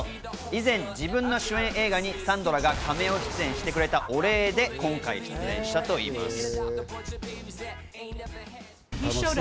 以前、自分の主演映画にサンドラがカメオ出演してくれたお礼で今回出演したといいます。